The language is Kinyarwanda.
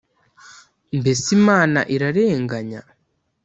Mbese Imana irarenganya?